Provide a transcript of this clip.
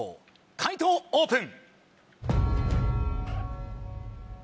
解答オープン！